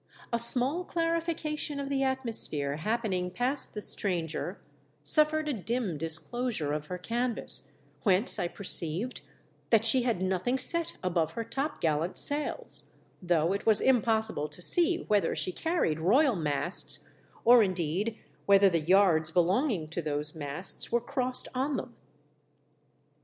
A small clarification of the atmos phere happening past the stranger, suffered a dim disclosure of her canvas, whence I per ceived that she had nothing set above her topgallant sails, though it was impossible to see whether she carried royal masts, or indeed whether the yards belonging to those masts were crossed on them.